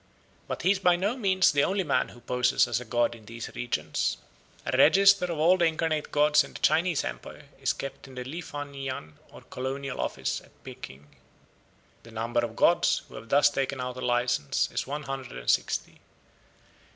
But he is by no means the only man who poses as a god in these regions. A register of all the incarnate gods in the Chinese empire is kept in the Li fan yiian or Colonial Office at Peking. The number of gods who have thus taken out a license is one hundred and sixty.